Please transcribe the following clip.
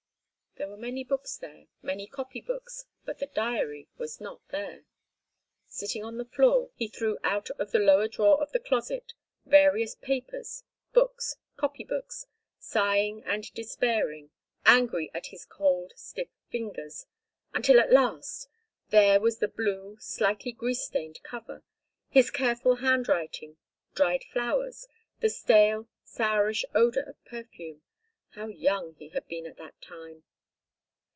There were many books there, many copy books, but the diary was not there. Sitting on the floor, he threw out of the lower drawer of the closet various papers, books, copy books, sighing and despairing, angry at his cold, stiff fingers—until at last! There was the blue, slightly grease stained cover, his careful hand writing, dried flowers, the stale, sourish odour of perfume—how young he had been at that time!